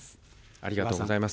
ありがとうございます。